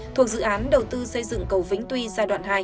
thuộc dự án đầu tư xây dựng cầu vĩnh tuy giai đoạn hai